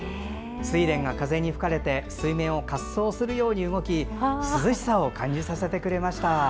スイレンが風に吹かれて水面を滑走するように動き涼しさを感じさせてくれました。